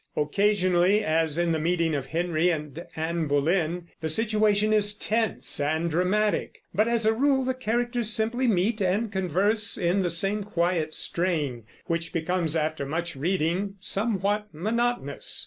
Occasionally, as in the meeting of Henry and Anne Boleyn, the situation is tense and dramatic; but as a rule the characters simply meet and converse in the same quiet strain, which becomes, after much reading, somewhat monotonous.